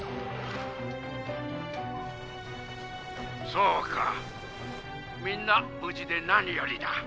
「そうかみんな無事で何よりだ」。